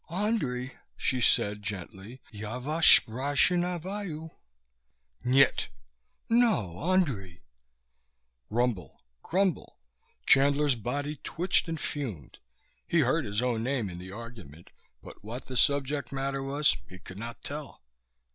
_" "Andrei...." she said gently. "Ya vas sprashnivayoo...." "Nyet!" "No Andrei...." Rumble, grumble; Chandler's body twitched and fumed. He heard his own name in the argument, but what the subject matter was he could not tell.